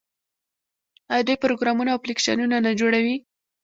آیا دوی پروګرامونه او اپلیکیشنونه نه جوړوي؟